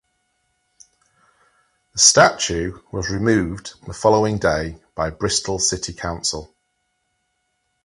The statue was removed the following day by Bristol City Council.